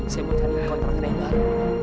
saya mau cari kontrak yang baru